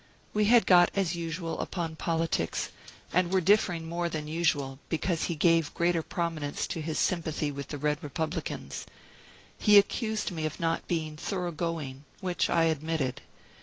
We had got, as usual, upon politics, and were differing more than usual, because he gave greater prominence to his sympathy with the Red Republicans. He accused me of not being "thorough going," which I admitted.